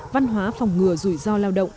văn hóa phòng ngừa rủi ro lao động